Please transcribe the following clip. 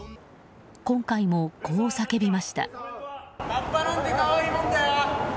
今回も、こう叫びました。